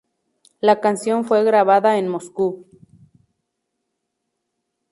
La canción fue grabada en Moscú.